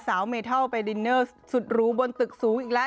เมทัลไปดินเนอร์สุดหรูบนตึกสูงอีกแล้ว